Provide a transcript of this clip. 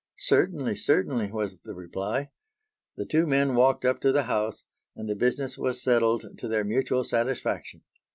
"Certainly, certainly!" was the reply. The two men walked up to the house and the business was settled to their mutual satisfaction.